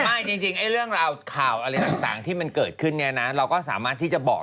ไม่อย่างจริงเองเรื่องราวข่าวอะไรต่างคุณก็สามารถที่จะบอก